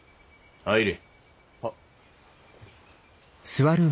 入れ。